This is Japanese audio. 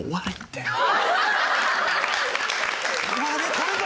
これか！